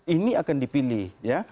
ini akan dipilih ya